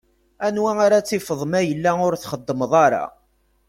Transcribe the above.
Anwa ara tifeḍ ma yella ur txeddmeḍ ara?